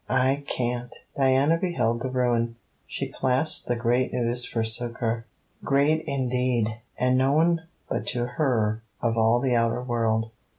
I can't!' Diana beheld the ruin. She clasped the great news for succour. Great indeed: and known but to her of all the outer world.